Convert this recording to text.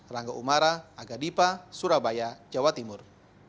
rangga umara aga dipa surabaya jawa timur